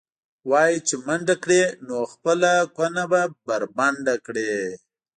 وایي چې منډه کړې، نو خپله کونه به بربنډه کړې.